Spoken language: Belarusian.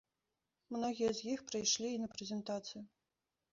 Многія з іх прыйшлі і на прэзентацыю.